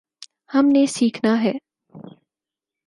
ہم نے سیکھنا ہے۔